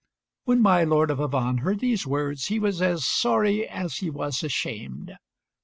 When my Lord of Avannes heard these words, he was as sorry as he was ashamed.